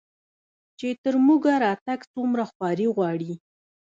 چې تر موږه راتګ څومره خواري غواړي